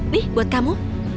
nih buat kamu